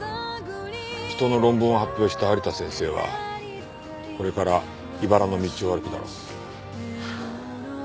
人の論文を発表した有田先生はこれから茨の道を歩くだろう。